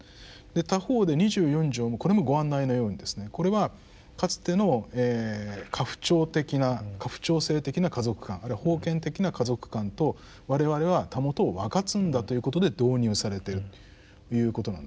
他方で二十四条もこれもご案内のようにですねこれはかつての家父長的な家父長制的な家族観あるいは封建的な家族観と我々はたもとを分かつんだということで導入されてるいうことなんですね。